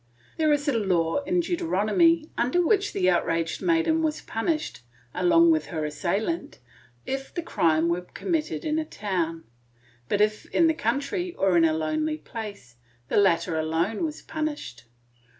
There is a law in Deuteronomy, under which the outraged maiden was punished, along with her assailant, if the crime were committed in a town; but if in the country or in a lonely place, the latter alone was punished.